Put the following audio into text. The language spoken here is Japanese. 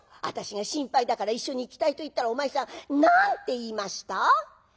私が心配だから一緒に行きたいと言ったらお前さん何て言いました？